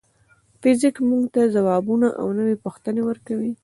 فزیک موږ ته ځوابونه او نوې پوښتنې ورکوي.